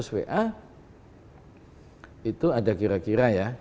sembilan ratus va itu ada kira kira ya